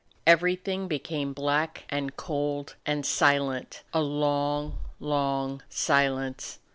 Everything became black and cold and silent ; a long, long silence.